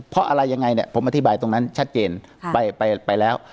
เพราะอะไรยังไงเนี่ยผมอธิบายตรงนั้นชัดเจนไปแล้ว